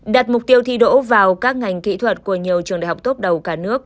đặt mục tiêu thi đỗ vào các ngành kỹ thuật của nhiều trường đại học tốt đầu cả nước